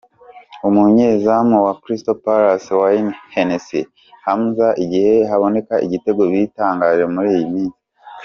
Umunyezamu wa Crystal Palace, Wayne Hennessey: Hamaze igihe haboneka ibitego bitangaje muri iyi minsi.